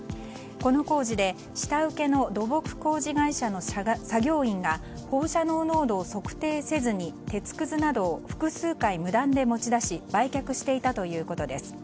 この工事で、下請けの土木工事会社の作業員が放射線濃度を特定せずに鉄くずなどを無断で持ち出し売却していたということです。